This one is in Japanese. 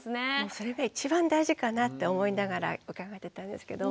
それが一番大事かなって思いながら伺ってたんですけど